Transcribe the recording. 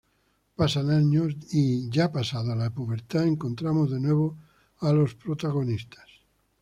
Pasan años y, ya pasada la pubertad, encontramos de nuevo a los protagonistas.